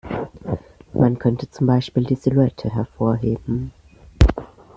Man könnte zum Beispiel die Silhouette hervorheben.